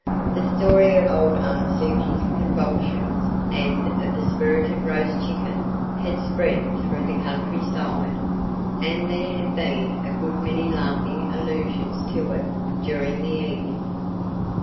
The story of old Aunt Sukie's convulsions and of the spirited roast chicken had spread through the countryside, and there had been a good many laughing allusions to it during the evening.